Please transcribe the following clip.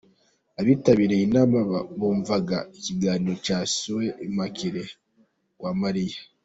Abitabiriye inama bumvaga ikiganiro cya Soeur Immaculee Uwamariya.